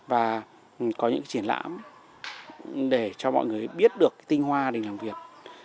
và có những cái triển lãm để cho mọi người biết được tinh hoa đình làng việt